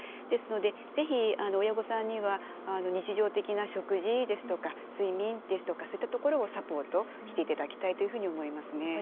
ですので、ぜひ親御さんには日常的な食事ですとか睡眠ですとかそういったところをサポートしていただきたいというふうに思いますね。